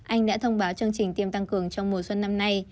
anh đã thông báo chương trình tiêm tăng cường trong mùa xuân năm nay